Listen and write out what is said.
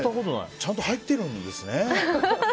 ちゃんと入ってるんですね。